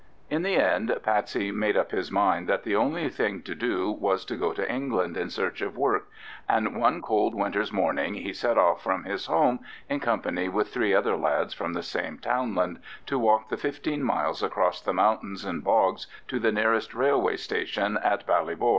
In the end Patsey made up his mind that the only thing to do was to go to England in search of work, and one cold winter's morning he set off from his home, in company with three other lads from the same townland, to walk the fifteen miles across the mountains and bogs to the nearest railway station at Ballybor.